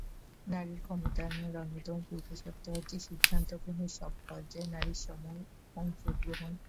নারীর ক্ষমতায়নের অন্যতম পূর্বশর্ত হচ্ছে সিদ্ধান্ত গ্রহণের সব পর্যায়ে নারীর সম অংশগ্রহণ।